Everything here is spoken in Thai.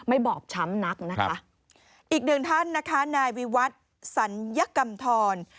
อีกหนึ่งท่านนะคะนายวิวัฒน์สัญกำทร